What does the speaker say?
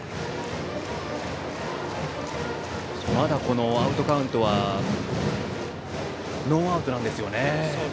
まだ、アウトカウントはノーアウトなんですよね。